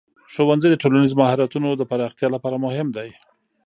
ښوونځی د ټولنیز مهارتونو د پراختیا لپاره مهم دی.